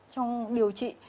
trong điều trị